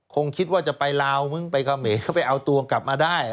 คงคิดว่าจะไปลาวมึงไปเขมรไปเอาตัวกลับมาได้